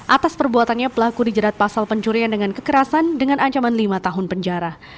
atas perbuatannya pelaku dijerat pasal pencurian dengan kekerasan dengan ancaman lima tahun penjara